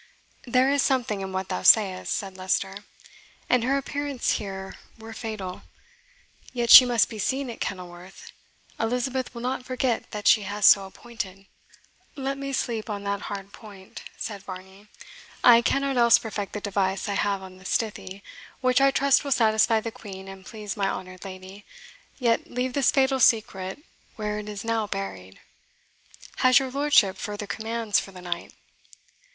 "There is something in what thou sayest," said Leicester, "and her appearance here were fatal. Yet she must be seen at Kenilworth; Elizabeth will not forget that she has so appointed." "Let me sleep on that hard point," said Varney; "I cannot else perfect the device I have on the stithy, which I trust will satisfy the Queen and please my honoured lady, yet leave this fatal secret where it is now buried. Has your lordship further commands for the night?"